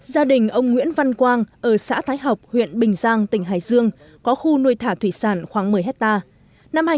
gia đình ông nguyễn văn quang ở xã thái học huyện bình giang tỉnh hải dương có khu nuôi thả thủy sản khoảng một mươi hectare